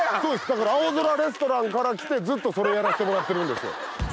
だから『青空レストラン』からきてずっとそれをやらしてもらってるんですよ。